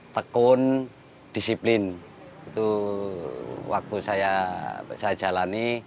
tekun disiplin itu waktu saya jalani